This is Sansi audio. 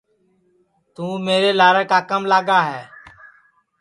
توں میرے لارے کاکام لاگا ہے